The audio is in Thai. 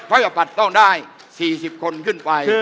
พยาบัตรต้องได้๔๐คนขึ้นไป